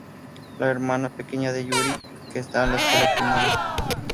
La hermana pequeña de Yuri que está en la escuela primaria.